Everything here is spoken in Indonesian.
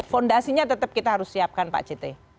fondasinya tetap kita harus siapkan pak cete